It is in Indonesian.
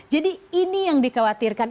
jadi ini yang dikhawatirkan